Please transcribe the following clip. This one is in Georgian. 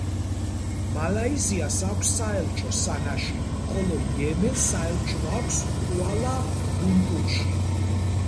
მალაიზიას აქვს საელჩო სანაში, ხოლო იემენს საელჩო აქვს კუალა-ლუმპურში.